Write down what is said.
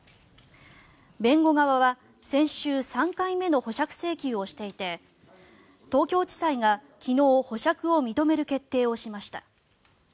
弁護側は先週３回目の保釈請求をしていて東京地裁が昨日、保釈を認める決定をしました。